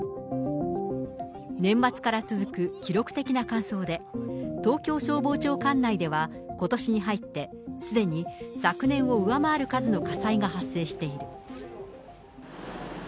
年末から続く記録的な乾燥で、東京消防庁管内では、ことしに入ってすでに昨年を上回る数の火災が発生している。